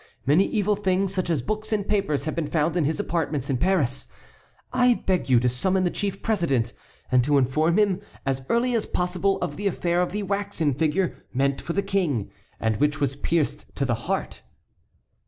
Many evil things such as books and papers have been found in his apartments in Paris. I beg you to summon the chief president, and to inform him as early as possible of the affair of the waxen figure meant for the King, and which was pierced to the heart.